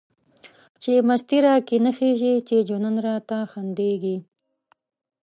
چی مستی را کی نڅيږی، چی جنون را ته خنديږی